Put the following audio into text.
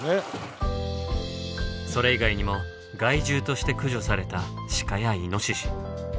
それ以外にも害獣として駆除されたシカやイノシシ。